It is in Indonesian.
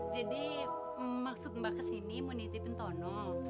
jadi maksud mbak kesini mau nitipin tono